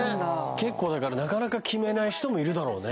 結構だからなかなか決めない人もいるだろうね